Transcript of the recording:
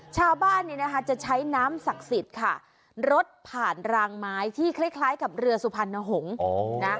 ชาวบ้านจะใช้น้ำศักดิ์สิทธิ์ค่ะรถผ่านรางไม้ที่คล้ายกับเรือสุพรรณหงศ์